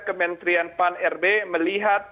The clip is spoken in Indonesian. kementerian pan rb melihat